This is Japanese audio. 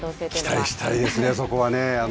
期待したいですね、そこはね。